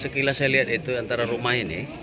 sekilas saya lihat itu antara rumah ini